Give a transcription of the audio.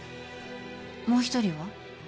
もう一人は？